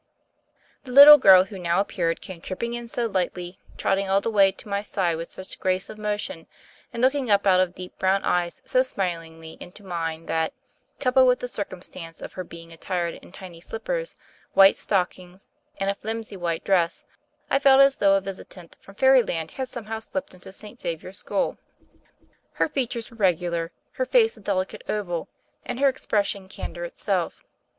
The little girl who now appeared came trip ping in so lightly, trotting all tne way to my side with such grace of motion, and looking up out of deep brown eyes so smilingly into mine that — coupled with the circumstance of her being at tired in tiny slippers, white stockings, and a flimsy white dress — I felt as though a visitant from fairyland had somehow slipped into St. Xavier School. I a THE FAIRY OF THE SNOWS Her features were regular, her face a delicate oval, and her expression candor itself.